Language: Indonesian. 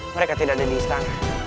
mereka tidak ada di istana